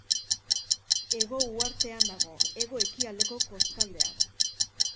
Hego Uhartean dago, hego ekialdeko kostaldean.